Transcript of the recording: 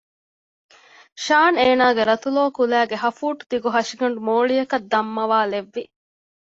ޝާން އޭނާގެ ރަތުލޯ ކުލައިގެ ހަފޫޓްދިގު ހަށިގަނޑު މޯޅިއަކަށް ދަންމަވާލެއްވި